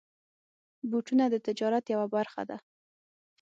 بوټونه د تجارت یوه برخه ده.